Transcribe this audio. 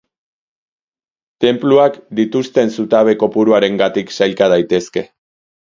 Tenpluak, dituzten zutabe kopuruarengatik sailka daitezke.